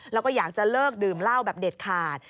แล้วก็อยากจะเลิกดื่มเหล้าแบบเด็ดขาด